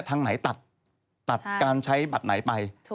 ทางไหนตัดการใช้บัตรไหนไป